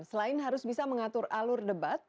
selain harus bisa mengatur alur debat